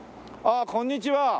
ああこんにちは。